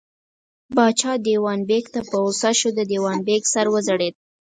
پاچا دېوان بېګ ته په غوسه شو، د دېوان بېګ سر وځړېد.